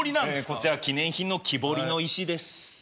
こちら記念品の木彫りの石です。